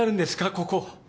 ここ。